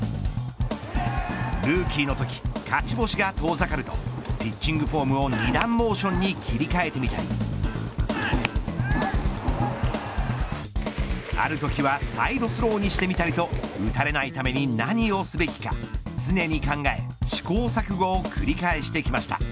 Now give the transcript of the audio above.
ルーキーのとき勝ち星が遠ざかるとピッチングフォームを二段モーションに切り替えてみたりあるときはサイドスローにしてみたりと打たれないために何をすべきか常に考え、試行錯誤を繰り返してきました。